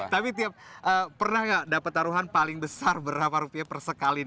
tapi tiap pernah gak dapat taruhan paling besar berapa rupiah per sekali